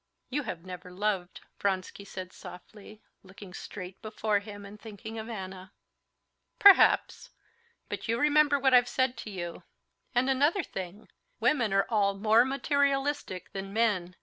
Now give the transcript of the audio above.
"You have never loved," Vronsky said softly, looking straight before him and thinking of Anna. "Perhaps. But you remember what I've said to you. And another thing, women are all more materialistic than men.